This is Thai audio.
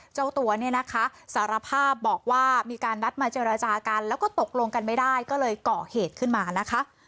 เจ้าตัวเนี่ยนะคะสารภาพบอกว่ามีการนัดมาเจรจากันแล้วก็ตกลงกันไม่ได้ก็เลยเกาะเหตุขึ้นมานะคะ